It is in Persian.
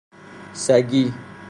سگی